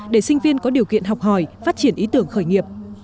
để sinh viên có điều kiện học hỏi phát triển ý tưởng khởi nghiệp